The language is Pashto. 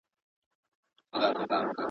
له غلیمه سو بېغمه کار یې جوړ سو.